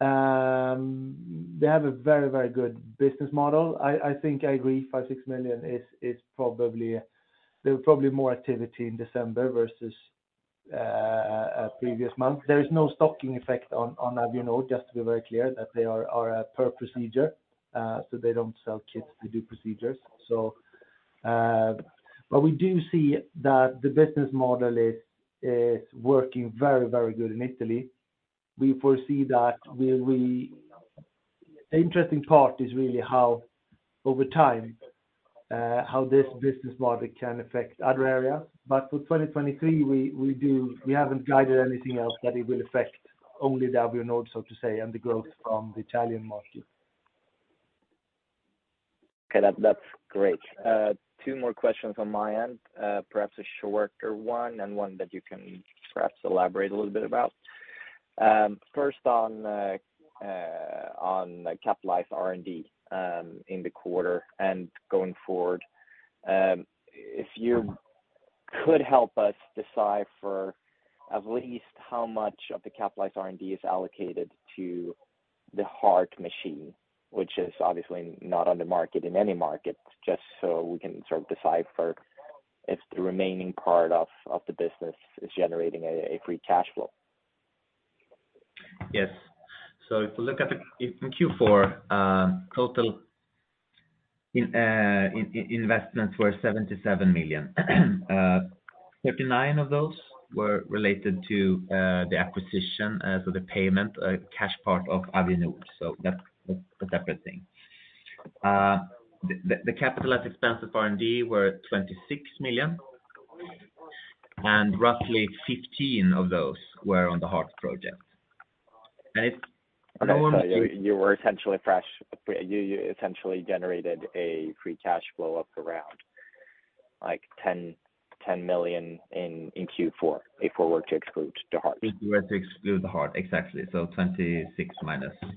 B: they have a very, very good business model. I think I agree 5-6 million is probably. There was probably more activity in December versus a previous month. There is no stocking effect on Avionord, just to be very clear, that they are a per procedure, so they don't sell kits to do procedures. We do see that the business model is working very, very good in Italy. We foresee that the interesting part is really how over time, how this business model can affect other area. For 2023, we haven't guided anything else that it will affect only the Avionord and the growth from the Italian market.
F: Okay. That's great. Two more questions on my end, perhaps a shorter one and one that you can perhaps elaborate a little bit about. First on the capitalized R&D in the quarter and going forward. If you could help us decipher at least how much of the capitalized R&D is allocated to the heart machine, which is obviously not on the market in any market, just so we can sort of decipher if the remaining part of the business is generating a free cash flow.
C: Yes. If you look at the in Q4, total investments were 77 million. 39 of those were related to the acquisition, so the payment, cash part of Avionord. That's a separate thing. The capitalized expense of R&D were 26 million.
B: Roughly 15 of those were on the heart project. Right?
F: Okay. you essentially generated a free cash flow of around like 10 million in Q4, if we were to exclude the heart.
B: If we were to exclude the heart, exactly. 26 minus 50.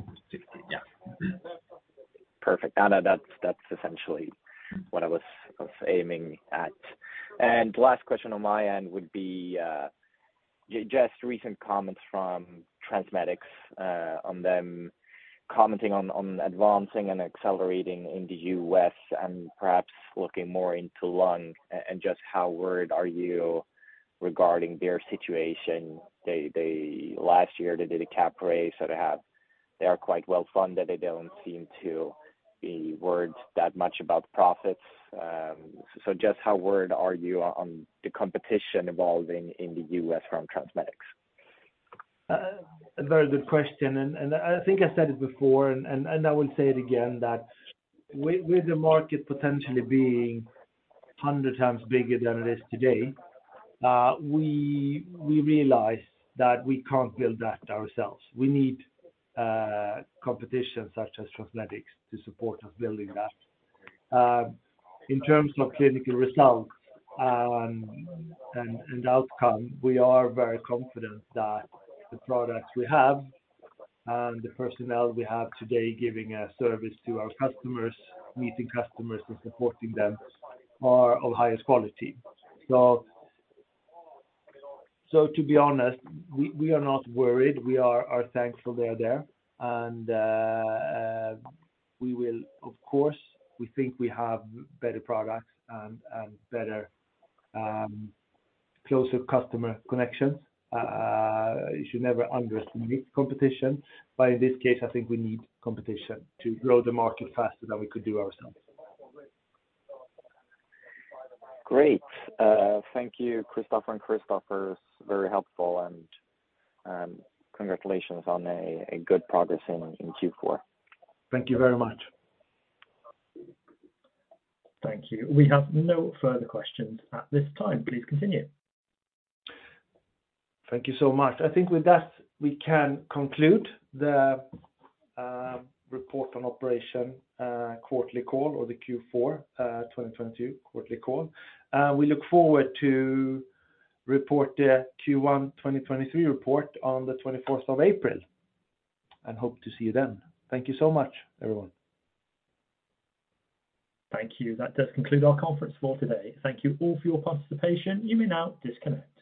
B: Yeah. Mm-hmm.
F: Perfect. That's essentially what I was aiming at. Last question on my end would be just recent comments from TransMedics on them commenting on advancing and accelerating in the U.S. and perhaps looking more into lung and just how worried are you regarding their situation? They last year they did a capital raise, so they are quite well-funded. They don't seem to be worried that much about profits. Just how worried are you on the competition evolving in the U.S. from TransMedics?
B: A very good question. I think I said it before, and I will say it again, that with the market potentially being 100 times bigger than it is today, we realize that we can't build that ourselves. We need competition such as TransMedics to support us building that. In terms of clinical results, and outcome, we are very confident that the products we have and the personnel we have today giving service to our customers, meeting customers, and supporting them are of highest quality. To be honest, we are not worried. We are thankful they are there, of course, we think we have better products and better closer customer connections. You should never underestimate competition. In this case, I think we need competition to grow the market faster than we could do ourselves.
F: Great. Thank you, Kristoffer and Christoffer. It's very helpful and congratulations on a good progress in Q4.
B: Thank you very much.
A: Thank you. We have no further questions at this time. Please continue.
B: Thank you so much. I think with that, we can conclude the report on operation quarterly call or the Q4 2022 quarterly call. We look forward to report the Q1 2023 report on the 24th of April. Hope to see you then. Thank you so much, everyone.
A: Thank you. That does conclude our conference call today. Thank you all for your participation. You may now disconnect.